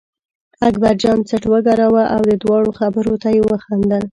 اکبرجان څټ و ګراوه او د دواړو خبرو ته یې وخندل.